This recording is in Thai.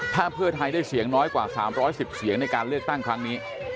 ถ้าเพื่อไทยได้เสียงน้อยกว่า๓๑๐เสียงในการเลือกตั้งครั้งนี้